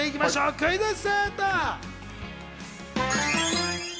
クイズッス。